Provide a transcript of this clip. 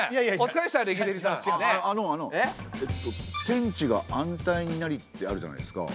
「天地が安泰になり」ってあるじゃないですか。